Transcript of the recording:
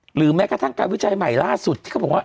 หรือแม้กระทั่งการวิจัยใหม่ล่าสุดที่เขาบอกว่า